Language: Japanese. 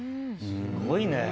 すごいね。